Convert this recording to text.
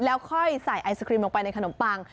แล้วค่อยใส่ไอศครีมลงไปในขนมปัง